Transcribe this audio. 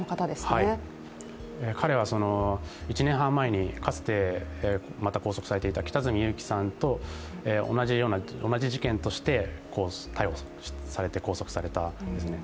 彼は１年半前に、かつて拘束されていた北角裕樹さんと、同じ事件として逮捕されて拘束されたんですね。